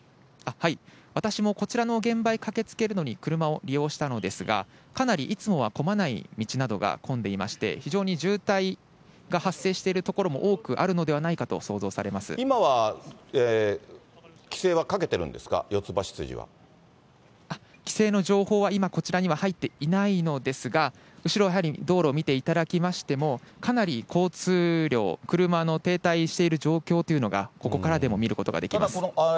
私もこちらの現場へ駆けつけるのに車を利用したのですが、かなりいつもは混まない道などが混んでいまして、非常に渋滞が発生している所も多くあるのではないかと想像されま今は規制はかけてるんですか、規制の情報は今、こちらには入っていないのですが、後ろ、道路見ていただきましても、かなり交通量、車の停滞している状況というのが、ここからでも見ることができます。